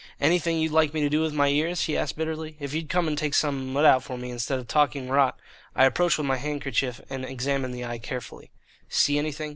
"Anything you'd like me to do with my ears?" he asked bitterly. "If you'd come and take some mud out for me, instead of talking rot " I approached with my handkerchief and examined the eye carefully. "See anything?"